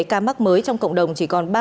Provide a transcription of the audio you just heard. ca mắc mới trong cộng đồng chỉ còn ba mươi